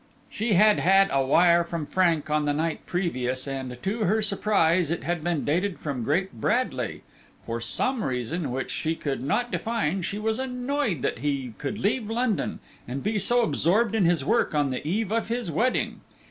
She had had a wire from Frank on the night previous, and to her surprise it had been dated from Great Bradley. For some reason which she could not define she was annoyed that he could leave London, and be so absorbed in his work on the eve of his wedding.